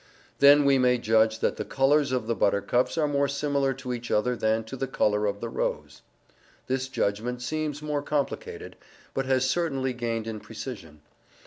Then we may judge that the colours of the buttercups are more similar to each other than to the colour of the rose. This judgment seems more complicated, but has certainly gained in precision.